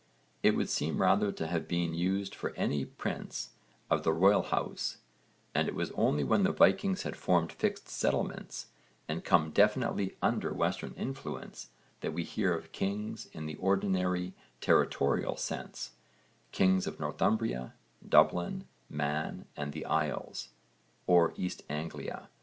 It would seem rather to have been used for any prince of the royal house, and it was only when the Vikings had formed fixed settlements and come definitely under Western influence that we hear of kings in the ordinary territorial sense kings of Northumbria, Dublin, Man and the Isles, or East Anglia.